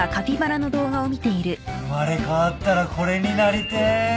生まれ変わったらこれになりて。